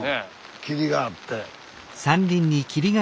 霧があって。